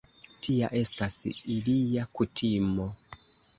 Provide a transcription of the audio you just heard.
Tia estas ilia kutimo.